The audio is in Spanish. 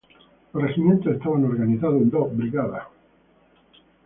Los regimientos estaban organizados en dos brigadas.